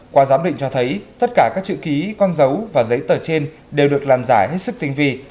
qua giám định cho thấy tất cả các chữ ký con dấu và giấy tờ trên đều được làm giả hết sức tinh vi